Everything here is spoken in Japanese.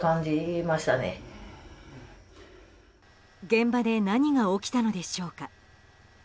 現場で何が起きたのでしょうか。